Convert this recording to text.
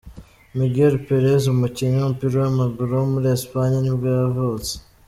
Miguel Pérez, umukinnyi w’umupira w’amaguru wo muri Espagne nibwo yavutse.